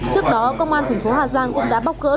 trước đó công an thành phố hà giang cũng đã bóc gỡ